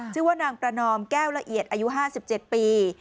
ชื่อว่านางประนอมแก้วละเอียดอายุ๕๗ปี